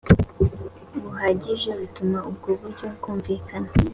bihagije bituma ubwo buryo bwumvikana